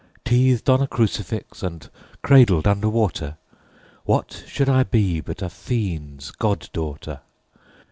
Teethed on a crucifix and cradled under water, What should I be but a fiend's god daughter?